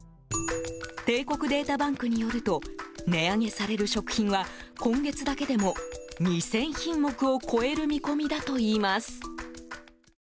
帝国データバンクによると値上げされる食品は今月だけでも、２０００品目を超える見込みだといいます。